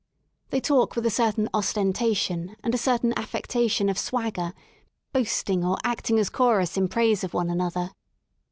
They talk with a certain ostentation and a certain affectation of swagger, boasting, or acting as chorus in praise of one another.